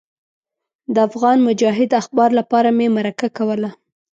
د افغان مجاهد اخبار لپاره مې مرکه کوله.